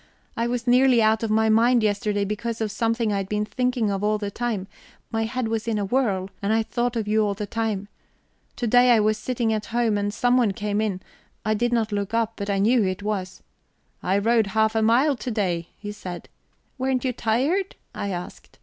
I was nearly out of my mind yesterday, because of something I had been thinking of all the time; my head was in a whirl, and I thought of you all the time. To day I was sitting at home, and someone came in; I did not look up, but I knew who it was. 'I rowed half a mile to day,' he said. 'Weren't you tired?' I asked.